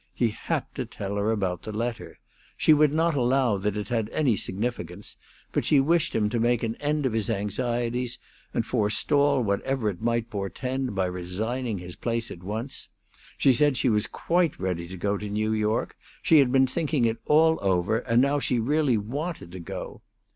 He had to tell her about the letter. She would not allow that it had any significance, but she wished him to make an end of his anxieties and forestall whatever it might portend by resigning his place at once. She said she was quite ready to go to New York; she had been thinking it all over, and now she really wanted to go.